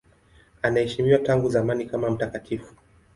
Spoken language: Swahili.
Anaheshimiwa tangu zamani kama mtakatifu.